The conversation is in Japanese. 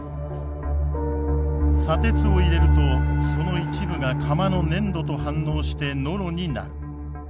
砂鉄を入れるとその一部が釜の粘土と反応してノロになる。